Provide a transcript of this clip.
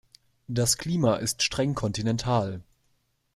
Das Klima ist streng kontinental.